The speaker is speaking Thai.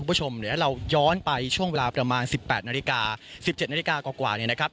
คุณผู้ชมเดี๋ยวเราย้อนไปช่วงเวลาประมาณ๑๘นาฬิกา๑๗นาฬิกากว่าเนี่ยนะครับ